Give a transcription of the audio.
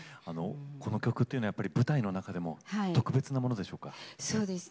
この曲は舞台の中でも特別なものでしょうか。